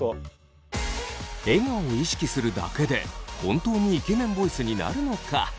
笑顔を意識するだけで本当にイケメンボイスになるのか。